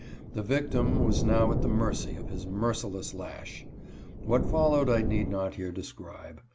The victim was now at the mercy of his merciless lash. What followed I need not here describe.